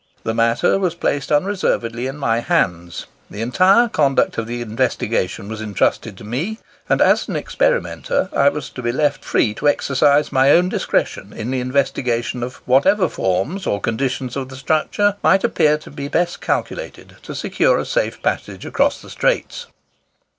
The matter was placed unreservedly in my hands; the entire conduct of the investigation was entrusted to me; and, as an experimenter, I was to be left free to exercise my own discretion in the investigation of whatever forms or conditions of the structure might appear to me best calculated to secure a safe passage across the Straits."